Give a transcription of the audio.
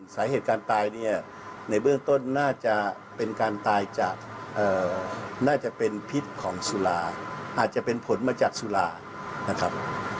สาเหตุการตายเนี่ยในเบื้องต้นน่าจะเป็นการตายจากน่าจะเป็นพิษของสุราอาจจะเป็นผลมาจากสุรานะครับ